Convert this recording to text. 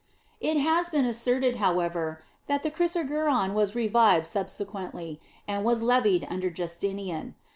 It has been asserted, however, that the chrysarguron was revived subsequently, and was levied under Justinian.